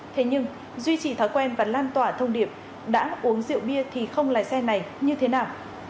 thế nhưng duy trì thói quen và lan tỏa thông điệp đã uống rượu bia thì không lái xe này như thế nào